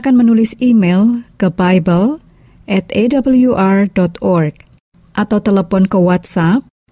sampai jumpa di video selanjutnya